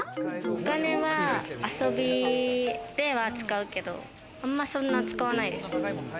お金は遊びでは使うけど、あんまそんな使わないです。